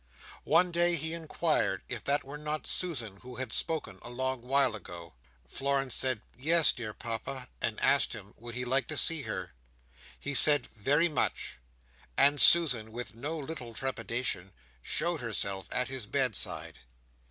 One day he inquired if that were not Susan who had spoken a long while ago. Florence said "Yes, dear Papa;" and asked him would he like to see her? He said "very much." And Susan, with no little trepidation, showed herself at his bedside.